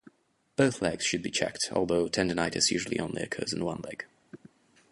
Both legs should be checked, although tendinitis usually only occurs in one leg.